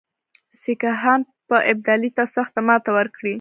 سیکهان به ابدالي ته سخته ماته ورکړي.